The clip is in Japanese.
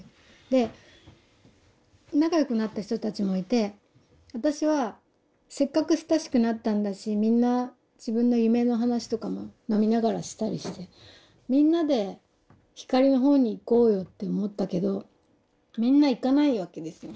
で仲良くなった人たちもいて私はせっかく親しくなったんだしみんな自分の夢の話とかも飲みながらしたりしてみんなで光の方に行こうよって思ったけどみんな行かないわけですよ。